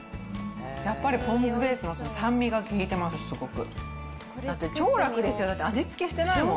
やっぱりポン酢ベースの酸味が効いてます、すごく。